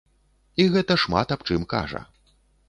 І гэта шмат аб чым кажа.